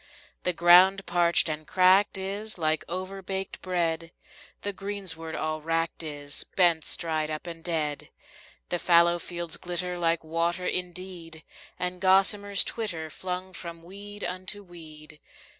The ground parched and cracked is like overbaked bread, The greensward all wracked is, bents dried up and dead. The fallow fields glitter like water indeed, And gossamers twitter, flung from weed unto weed.